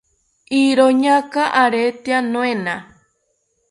iroñaka aretya noena